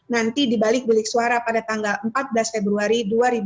nanti dibalik bilik suara pada tanggal empat belas februari dua ribu dua puluh